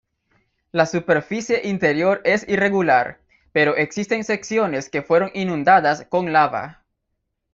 La superficie interior es irregular, pero existen secciones que fueron inundadas con lava.